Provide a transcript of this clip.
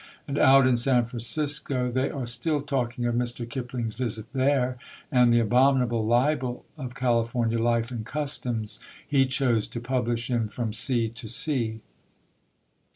And out in San Francisco they are still talking of Mr. Kipling's visit there, and the "abominable libel" of California life and customs he chose to publish in From Sea to Sea.